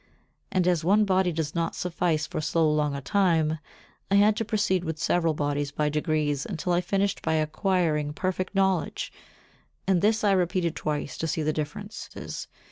And as one body did not suffice for so long a time I had to proceed with several bodies by degrees until I finished by acquiring perfect knowledge, and this I repeated twice to see the differences.